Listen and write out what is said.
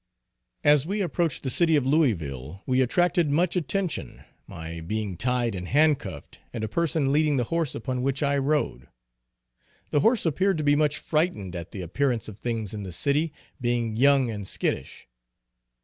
As we approached the city of Louisville, we attracted much attention, my being tied and handcuffed, and a person leading the horse upon which I rode. The horse appeared to be much frightened at the appearance of things in the city, being young and skittish.